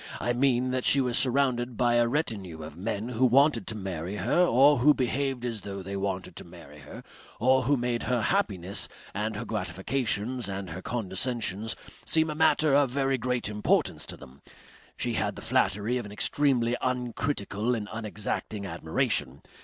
I mean that she was surrounded by a retinue of men who wanted to marry her or who behaved as though they wanted to marry her or who made her happiness and her gratifications and her condescensions seem a matter of very great importance to them. She had the flattery of an extremely uncritical and unexacting admiration.